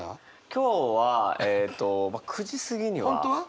今日はえっとまあ９時過ぎには。本当は？